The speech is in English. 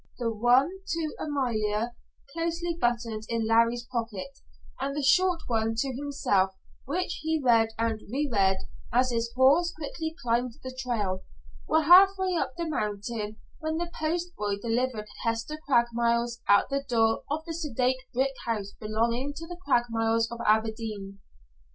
The one to Amalia closely buttoned in Larry's pocket, and the short one to himself which he read and reread as his horse slowly climbed the trail, were halfway up the mountain when the postboy delivered Hester Craigmile's at the door of the sedate brick house belonging to the Craigmiles of Aberdeen.